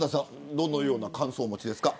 どのような感想をお持ちですか。